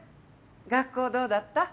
学校どうだった？